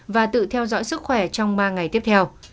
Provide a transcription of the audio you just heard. và tự theo dõi sức khỏe trong ba ngày tiếp theo